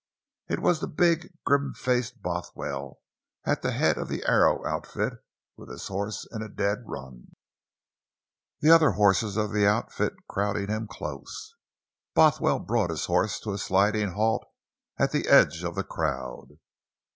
It was the big, grim faced Bothwell, at the head of the Arrow outfit. With his horse in a dead run, the other horses of the outfit crowding him close, Bothwell brought his horse to a sliding halt at the edge of the crowd.